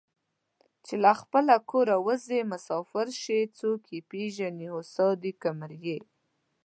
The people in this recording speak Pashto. چې له خپله کوره اوځي مسافر شي څوک یې پېژني ساهو دی که مریی